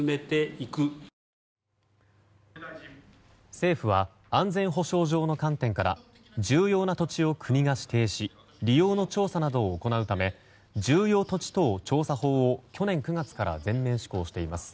政府は安全保障上の観点から重要な土地を国が指定し利用の調査などを行うため重要土地等調査法を去年９月から全面施行しています。